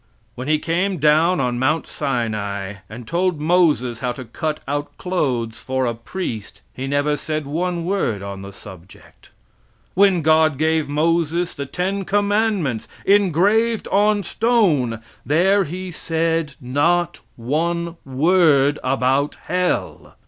When He came down on Mount Sinai, and told Moses how to cut out clothes for a priest, He never said one word on the subject. When God gave Moses the ten commandments, engraved on stone, there He said not one word about hell.